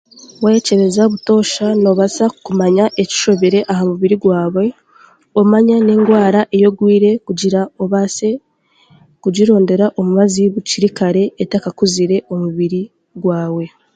Kwekyebeza butoosha noobasa kumanya ekishobire aha mubiri gwawe, omanye n'endwara ei orwaire kugira obaasa kugirondera omubazi bukiri kare etakakuzire omubiri gwawe